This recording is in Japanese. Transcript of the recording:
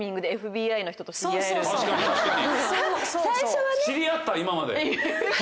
最初はね。